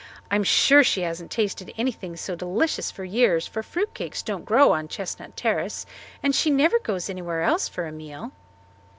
I'm sure she hasn't tasted anything so delicious for years, for fruit cakes don't grow on Chestnut Terrace and she never goes anywhere else for a meal."